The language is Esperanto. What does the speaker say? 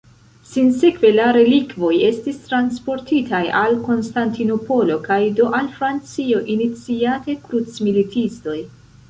Sinsekve la relikvoj estis transportitaj al Konstantinopolo kaj do al Francio iniciate krucmilitistoj.